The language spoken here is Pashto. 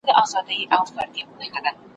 جهاني وم په یارانو نازېدلی `